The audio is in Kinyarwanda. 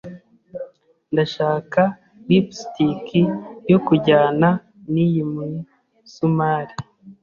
Ndashaka lipstick yo kujyana niyi misumari.